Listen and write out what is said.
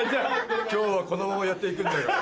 今日はこのままやって行くんだが。